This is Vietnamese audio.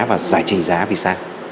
và giải trình giá vì sao